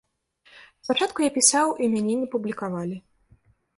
Спачатку я пісаў і мяне не публікавалі.